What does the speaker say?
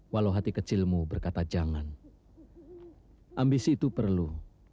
walau hati kecilmu berkata jangan ambisi itu perlu